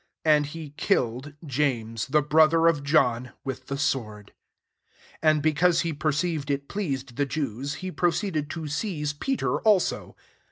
2 And he killed James, the brother of John, with the sword. 3 And because he per ceived it pleased the Jews, he proceeded to seize Peter also.